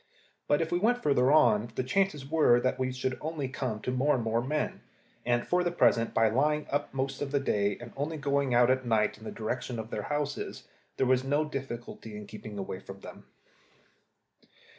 But if we went further on, the chances were that we should only come to more and more men; and for the present, by lying up most of the day, and only going out at night in the direction of their houses, there was no difficulty in keeping away from them.